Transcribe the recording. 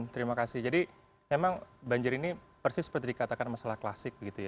terima kasih jadi memang banjir ini persis seperti dikatakan masalah klasik gitu ya